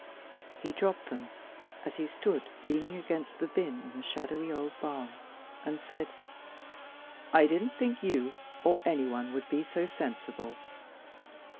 He dropped them, as he stood leaning against the bin in the shadowy old barn, and said, "I didn't think you or anyone would be so sensible.